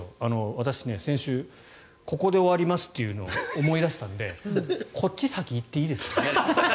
私、先週ここで終わりますというのを思い出したのでこっち先、行っていいですか？